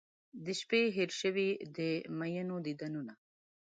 د شپې هیر شوي د میینو دیدنونه